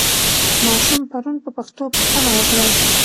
ماشوم پرون په پښتو پوښتنه وکړه.